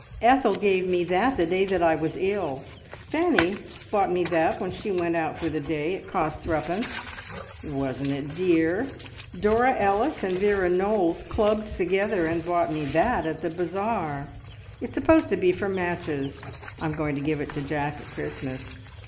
"Ethel gave me that the day that I was ill. Fanny bought me that when she went out for the day. It cost threepence. Wasn't it dear? Dora Ellis and Vera Knowles clubbed together and bought me that at the bazaar. It's supposed to be for matches. I am going to give it to Jack at Christmas.